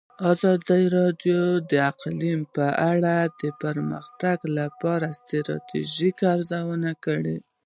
ازادي راډیو د اقلیم په اړه د پرمختګ لپاره د ستراتیژۍ ارزونه کړې.